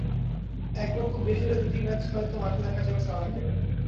এক বা খুব বেশি হলে দুটি ম্যাচ হয়তো মাঠে দেখা যাবে সালাহকে।